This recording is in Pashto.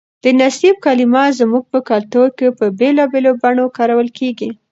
د نصیب کلمه زموږ په کلتور کې په بېلابېلو بڼو کارول کېږي.